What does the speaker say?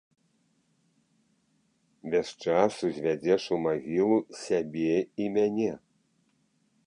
Без часу звядзеш у магілу сябе і мяне.